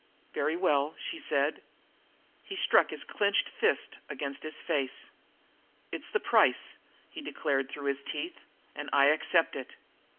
"Very well," she said. He struck his clenched hand against his face. "It's the price," he declared through his teeth, "and I accept it."